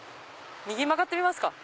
右曲がってみますか！